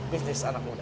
bisnis anak muda